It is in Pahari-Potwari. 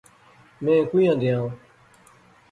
میں کویاں دیاں؟